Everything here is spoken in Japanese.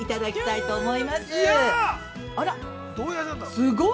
すごい。